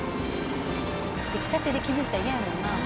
出来たてで傷いったら嫌やもんな。